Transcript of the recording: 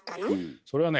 それはね